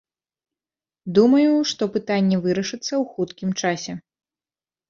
Думаю, што пытанне вырашыцца ў хуткім часе.